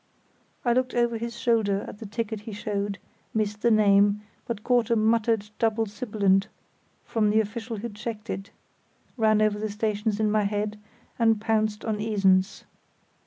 I looked over his shoulder at the ticket he showed, missed the name, but caught a muttered double sibilant from the official who checked it; ran over the stations in my head, and pounced on _Esens.